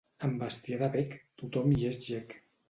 Amb bestiar de bec, tothom hi és llec.